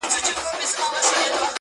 خلک به پرې نه پوهېږي